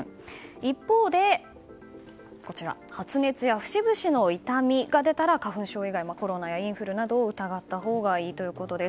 一方で、発熱や節々の痛みが出たら花粉症以外コロナやインフルなどを疑ったほうがいいということです。